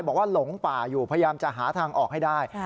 หลงป่าอยู่พยายามจะหาทางออกให้ได้